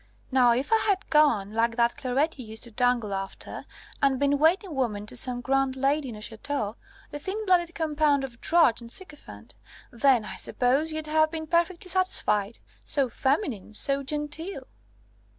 Now if I had gone, like that Clairette you used to dangle after, and been waiting woman to some grand lady in a ch√¢teau, a thin blooded compound of drudge and sycophant, then, I suppose, you'd have been perfectly satisfied. So feminine! So genteel!"